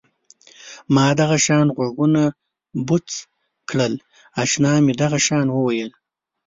ما دغه شان غوږونه بوڅ کړل اشنا مې دغه شان وویل.